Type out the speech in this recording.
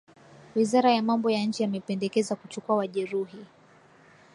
wizara ya mambo ya nje yamependekeza kuchukuwa wajeruhiwa